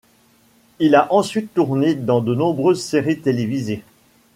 Il a ensuite tourné dans de nombreuses séries télévisées.